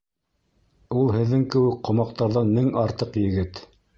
Ул һеҙҙең кеүек ҡомаҡтарҙан мең артыҡ егет.